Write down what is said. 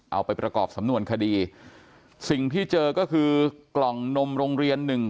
เอาไปประกอบสำนวนคดีสิ่งที่เจอก็คือกล่องนมโรงเรียนหนึ่ง